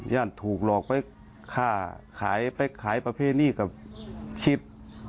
ย่านถูกหลอกไปขายประเภทนี้กับขิต